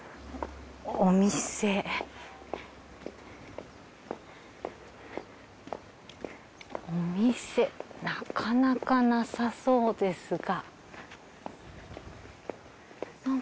お店なかなかなさそうですが。